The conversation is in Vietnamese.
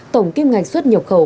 tổng kim ngạch xuất nhập khẩu